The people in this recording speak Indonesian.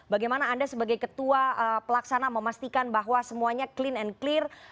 bagaimana anda sebagai ketua pelaksana memastikan bahwa semuanya clean and clear